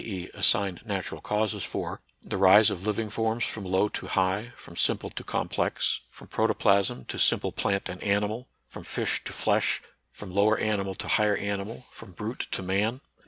e., assign natural causes for) the rise of living forms from low to high, from simple to complex, from protoplasm to simple plant and animal, from fish to flesh, from lower animal to higher animal, from brute to man?